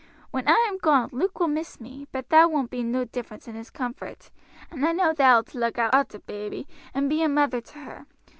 When I am gone Luke will miss me, but thar won't be no difference in his comfort, and I know thou'lt look arter baby and be a mother to her.